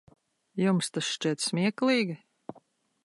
Jums tas šķiet smieklīgi?